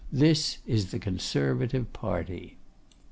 This is the Conservative party.